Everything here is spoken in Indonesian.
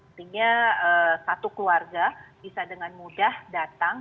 artinya satu keluarga bisa dengan mudah datang